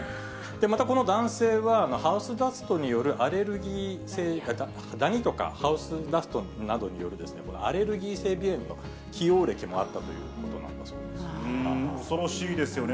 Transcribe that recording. また、この男性はハウスダストによるアレルギー、ダニとかハウスダストなどによるアレルギー性鼻炎の既往歴もあっ恐ろしいですよね。